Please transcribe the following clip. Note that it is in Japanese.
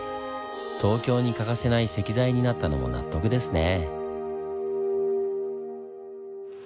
東京に欠かせない石材になったのも納得ですねぇ。